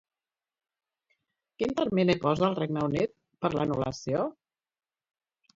Quin termini posa el Regne Unit per a l'anul·lació?